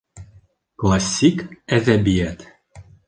Классик әҙәбиәт